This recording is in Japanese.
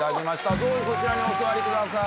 どうぞそちらにお座りください。